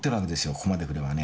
ここまで来ればね。